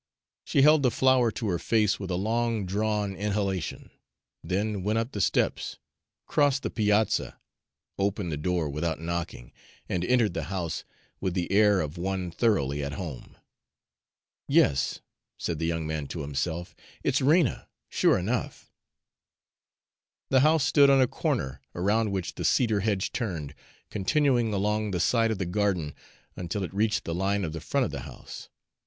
She held the flower to her face with a long drawn inhalation, then went up the steps, crossed the piazza, opened the door without knocking, and entered the house with the air of one thoroughly at home. "Yes," said the young man to himself, "it's Rena, sure enough." The house stood on a corner, around which the cedar hedge turned, continuing along the side of the garden until it reached the line of the front of the house.